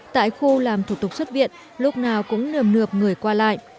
tại khu làm thủ tục xuất viện lúc nào cũng nườm nượp người qua lại